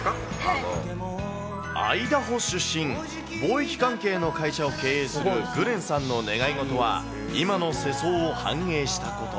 アイダホ出身、貿易関係の会社を経営するグレンさんの願い事は、今の世相を反映したこと。